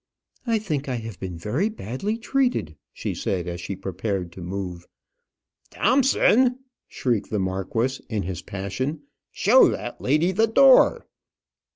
"I think I have been very badly treated," she said, as she prepared to move. "Thompson," shrieked the marquis, in his passion; "show that lady the door."